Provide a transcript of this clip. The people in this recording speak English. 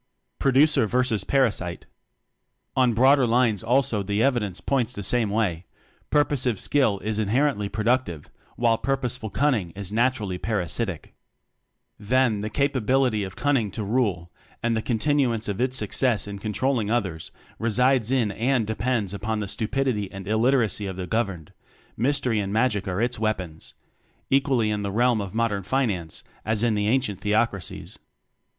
Producer Versus Parasite. On broader lines also the evidence points the same way: purposive skill is inherently productive, while purpose ful cunning is naturally parasitic. Then, the capability of cunning to rule, and the continuance of its suc cess in controlling others, resides in and depends upon the stupidity and il literacy of the governed: mystery and magic are its weapons equally in the realm of modern Finance as in the ancient Theocracies.